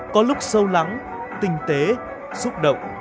có lúc sâu lắng tinh tế xúc động